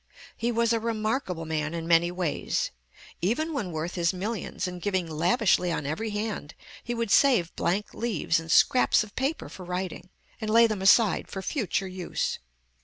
He was a remarkable man in many ways. Even when worth his millions, and giving lavishly on every hand, he would save blank leaves and scraps of paper for writing, and lay them aside for future use.